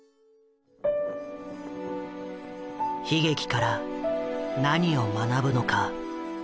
悲劇から何を学ぶのか？